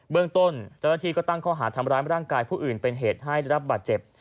เรื่องต้นเจ้าหน้าที่ก็ตั้งข้อหาทำร้ายร่างกายผู้อื่นเป็นเหตุให้ได้รับบาดเจ็บ